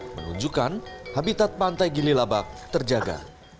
menunjukkan habitat pantai gililabak terjaga